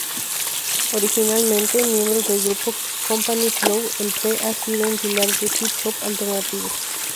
Originalmente miembro del grupo Company Flow, El-P ha sido un pilar del hip-hop alternativo.